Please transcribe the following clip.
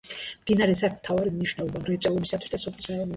მდინარეს აქვს მთავარი მნიშვნელობა მრეწველობისათვის და სოფლის მეურნეობისათვის.